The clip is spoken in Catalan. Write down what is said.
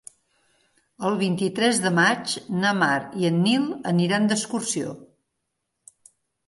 El vint-i-tres de maig na Mar i en Nil aniran d'excursió.